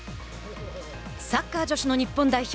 サッカー女子の日本代表